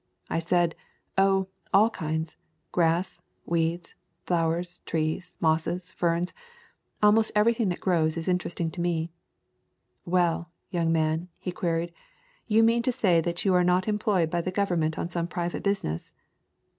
I said, "Oh, all kinds; grass, weeds, flowers, trees, mosses, ferns, — almost every thing that grows is interesting to me." "Well, young man," he queried, "you mean to say that you are not employed by the Gov ernment on some private business?"